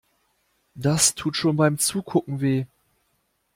Das tut schon beim Zugucken weh.